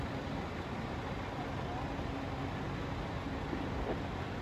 He was born in Adanac, Saskatchewan.